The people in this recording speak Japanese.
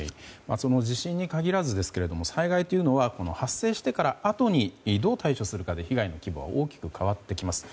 地震に限らずですが災害というのは発生したあとにどう対処するかで被害の規模は大きく変わってきます。